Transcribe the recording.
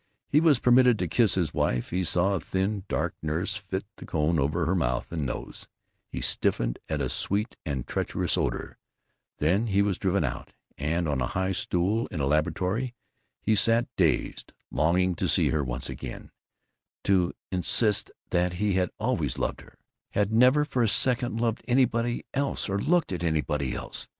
He was permitted to kiss his wife; he saw a thin dark nurse fit the cone over her mouth and nose; he stiffened at a sweet and treacherous odor; then he was driven out, and on a high stool in a laboratory he sat dazed, longing to see her once again, to insist that he had always loved her, had never for a second loved anybody else or looked at anybody else.